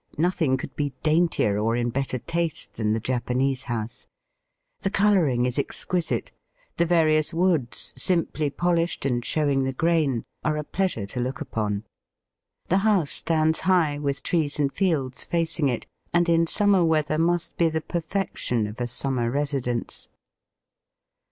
Nothing could he daintier or in better taste than the Japanese house. The colouring is exquisite; the various woods, simply polished and showing the grain, are a pleasure to look upon. The house stands high, with trees and fields facing it, and in summer weather must be the perfection of a summer residence.